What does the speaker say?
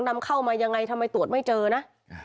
นำเข้ามายังไงทำไมตรวจไม่เจอนะ